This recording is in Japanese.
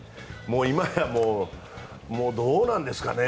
今やもう、どうなんですかね。